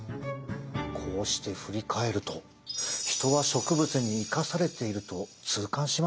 こうして振り返るとヒトは植物に生かされていると痛感しますね。